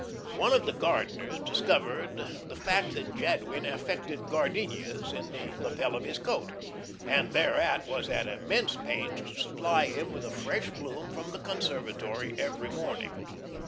One of the gardeners discovered the fact that Jadwin affected gardenias in the lapel of his coat, and thereat was at immense pains to supply him with a fresh bloom from the conservatory each morning.